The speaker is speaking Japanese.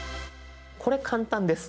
これ簡単です。